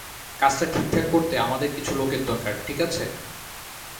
কাজটা ঠিকঠাক করতে আমাদের কিছু লোকের দরকার, ঠিক আছে?